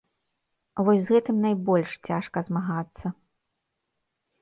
Вось з гэтым найбольш цяжка змагацца.